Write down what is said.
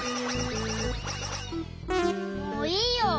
もういいよ。